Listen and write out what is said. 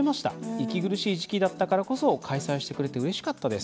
息苦しい時期だったからこそ開催してくれてうれしかったです」。